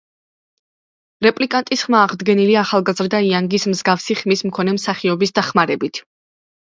რეპლიკანტის ხმა აღდგენილია ახალგაზრდა იანგის მსგავსი ხმის მქონე მსახიობის დახმარებით.